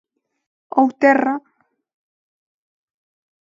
Ou 'Terra'.